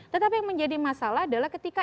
tetapi yang menjadi masalah adalah ketika